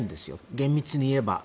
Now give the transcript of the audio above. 厳密に言えば。